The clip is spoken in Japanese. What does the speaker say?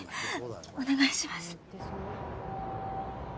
お願いします。